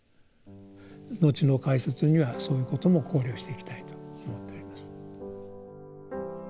後の解説にはそういうことも考慮していきたいと思っております。